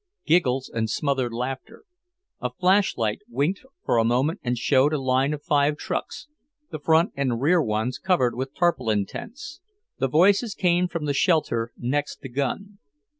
Giggles and smothered laughter; a flashlight winked for a moment and showed a line of five trucks, the front and rear ones covered with tarpaulin tents. The voices came from the shelter next the gun.